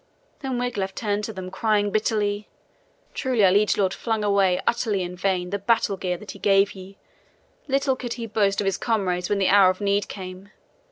Then Wiglaf turned to them, crying bitterly: "Truly our liege lord flung away utterly in vain the battle gear that he gave ye. Little could he boast of his comrades when the hour of need came.